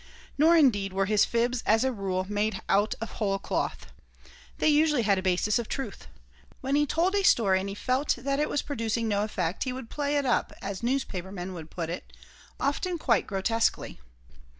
Nor, indeed, were his fibs, as a rule, made out of whole cloth. They usually had a basis of truth. When he told a story and he felt that it was producing no effect he would "play it up," as newspapermen would put it, often quite grotesquely.